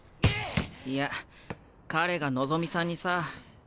いや彼が望さんにさ。